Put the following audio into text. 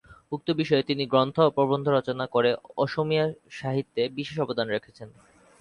উক্ত বিষয়ে তিনি গ্রন্থ ও প্রবন্ধ রচনা করে অসমীয়া সাহিত্যে বিশেষ অবদান রেখেছেন।